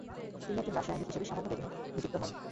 তিনি একজন রাসায়নিক হিসেবে সামান্য বেতনে নিযুক্ত হন ।